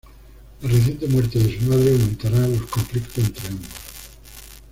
La reciente muerte de su madre aumentará los conflictos entre ambos.